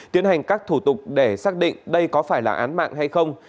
tiến hành các thủ tục để xác định đây có phải là án mạng hay không